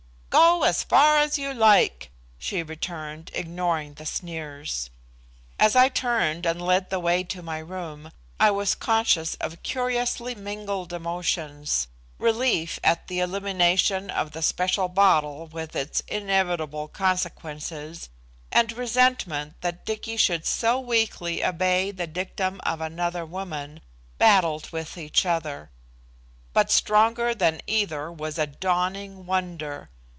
"Go as far as you like," she returned, ignoring the sneers. As I turned and led the way to my room, I was conscious of curiously mingled emotions. Relief at the elimination of the special bottle with its inevitable consequences and resentment that Dicky should so weakly obey the dictum of another woman, battled with each other. But stronger than either was a dawning wonder.